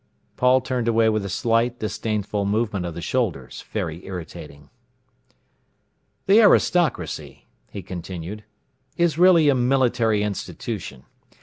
Paul turned away with a slight disdainful movement of the shoulders, very irritating. "The aristocracy," he continued, "is really a military institution.